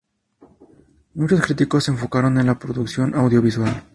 Muchos críticos se enfocaron en la producción audiovisual.